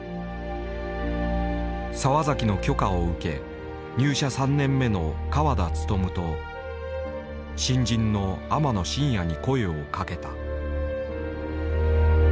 澤崎の許可を受け入社３年目の河田勉と新人の天野真家に声をかけた。